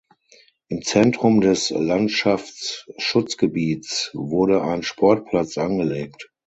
Im Zentrum des Landschaftsschutzgebiets wurde ein Sportplatz angelegt.